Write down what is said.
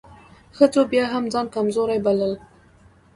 ښځو بيا هم ځان کمزورۍ بلل .